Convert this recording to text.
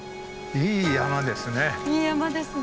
いい山ですね。